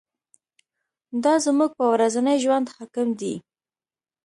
دا زموږ په ورځني ژوند حاکم دی.